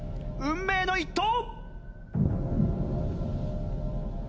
運命の一投！